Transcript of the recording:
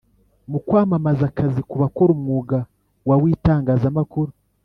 mu kwamamaza akazi ku bakora umwuga wa witangaza makuru